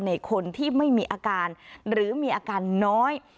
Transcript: ในคนที่ไม่มีอาการหรือมีอาการน้อย